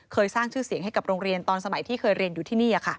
สร้างชื่อเสียงให้กับโรงเรียนตอนสมัยที่เคยเรียนอยู่ที่นี่